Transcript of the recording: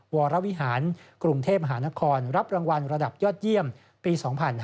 วรวิหารกรุงเทพมหานครรับรางวัลระดับยอดเยี่ยมปี๒๕๕๙